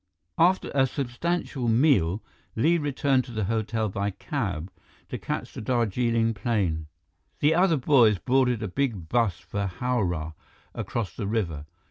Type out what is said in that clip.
After a substantial meal, Li returned to the hotel by cab, to catch the Darjeeling plane. The other boys boarded a big bus for Howrah, across the river.